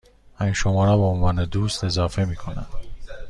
من شما را به عنوان دوست اضافه می کنم.